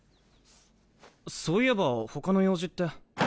そういえばほかの用事って。